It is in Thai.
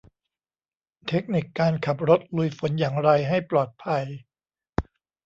เทคนิคการขับรถลุยฝนอย่างไรให้ปลอดภัย